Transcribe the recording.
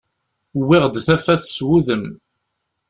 Wwiɣ-d tafat, s wudem.